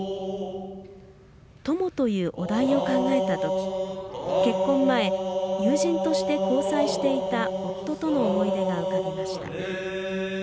「友」というお題を考えた時結婚前、友人として交際していた夫との思い出が浮かびました。